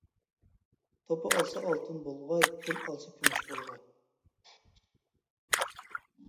توپا ئالسا ئالتۇن بولغاي، كۈل ئالسا كۈمۈش بولغاي.